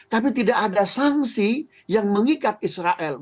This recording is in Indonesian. tapi tidak ada sanksi yang mengikat israel